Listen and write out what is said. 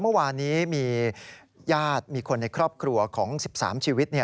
เมื่อวานนี้มีญาติมีคนในครอบครัวของ๑๓ชีวิต